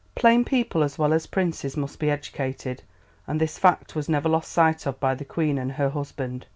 Plain people as well as princes must be educated, and this fact was never lost sight of by the Queen and her husband.